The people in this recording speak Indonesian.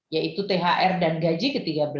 yaitu thr dan gaji ke tiga belas